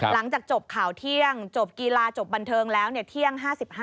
หลังจากจบข่าวเที่ยงจบกีฬาจบบันเทิงแล้วเที่ยง๕๕